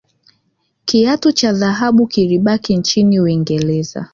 kiatu cha dhahabu kilibaki nchini uingereza